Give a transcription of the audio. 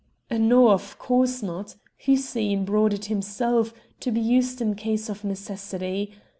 "No; of course not. Hussein brought it himself, to be used in case of necessity.